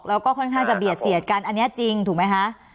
แล้วก็ค่อนข้างจะเบียดเสียดกันอันนี้จริงถูกไหมคะ